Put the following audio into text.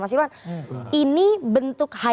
mas irwan ini bentuk high care ini juga tidak begitu kok